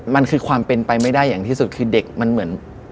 มันคือความเป็นไปไม่ได้อย่างที่สุดคือเด็กมันเหมือน